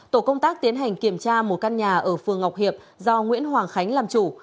tổ công tác tiến hành kiểm tra một căn nhà ở phường ngọc hiệp do nguyễn hoàng khánh làm chủ